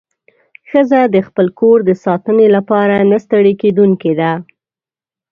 ښځه د خپل کور د ساتنې لپاره نه ستړې کېدونکې ده.